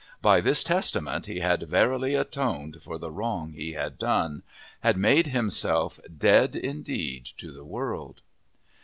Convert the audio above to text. By this testament he had verily atoned for the wrong he had done, had made himself dead indeed to the world.